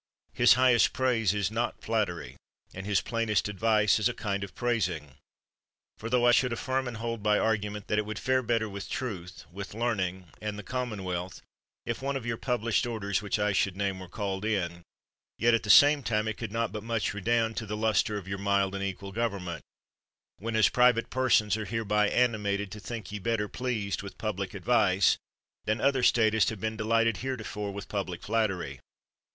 His highest praising is not flattery, and his plainest advice is a kind of praising. For tho I should affirm and hold by argument, that it would fare better with truth, with learning and the com monwealth, if one of your published orders, in— e 81 THE WORLD'S FAMOUS ORATIONS which I should name, were called in ; yet at the same time it could not but much redound to the luster of your mild and equal government, whenas private persons are hereby animated to think ye better pleased with public advice, than other statists have been delighted heretofore with public flattery.